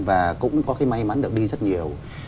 và cũng có cái may mắn được đi rất nhiều